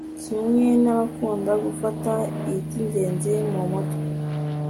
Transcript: kimwe n'abakunda gufata iby'ingenzi mu mutwe